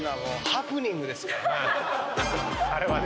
あれはね。